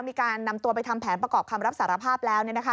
มีการนำตัวไปทำแผนประกอบคำรับสารภาพแล้ว